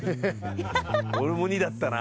俺も２だったな。